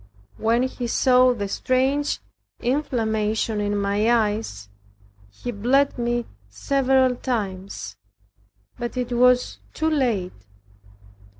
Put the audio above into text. When he saw the strange inflammation in my eyes, he bled me several times; but it was too late.